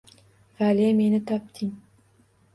Vale meni topding